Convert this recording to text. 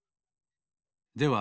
では